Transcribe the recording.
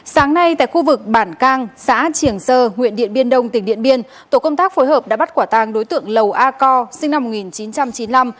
sáng nay tại khu vực bản cang xã triển sơ huyện điện biên đông tỉnh điện biên tổ công tác phối hợp đã bắt quả tang đối tượng lầu a co sinh năm một nghìn chín trăm chín mươi năm